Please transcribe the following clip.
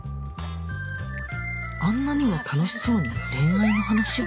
あんなにも楽しそうに恋愛の話を？